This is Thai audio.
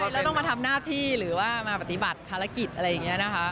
แล้วต้องมาทำหน้าที่หรือว่ามาปฏิบัติภารกิจอะไรอย่างนี้นะคะ